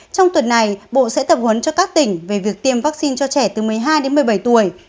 trong tuần này bộ sẽ tập huấn cho các tỉnh về việc tiêm vaccine cho trẻ từ một mươi hai đến một mươi bảy tuổi